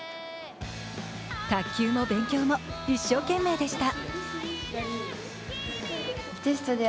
卓球も勉強も一生懸命でした。